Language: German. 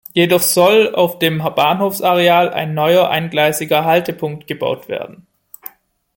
Jedoch soll auf dem Bahnhofsareal ein neuer eingleisiger Haltepunkt gebaut werden.